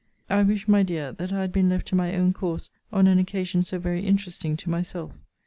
I wise, my dear, that I had been left to my own course on an occasion so very interesting to myself.